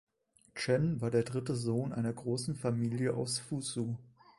Chen war der dritte Sohn einer großen Familie aus Fuzhou.